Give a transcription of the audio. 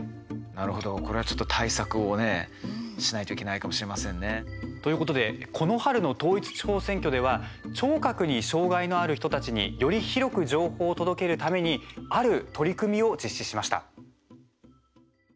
なるほどこれはちょっと対策をねしないといけないかもしれませんね。ということでこの春の統一地方選挙では聴覚に障害のある人たちにより広く情報を届けるためにある取り組みを実施しました。